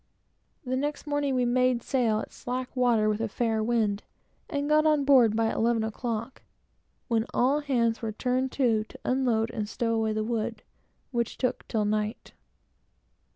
The next morning, we made sail at slack water, with a fair wind, and got on board by eleven o'clock, when all hands were turned to, to unload and stow away the wood, which took till night.